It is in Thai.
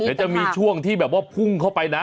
เดี๋ยวจะมีช่วงที่แบบว่าพุ่งเข้าไปนะ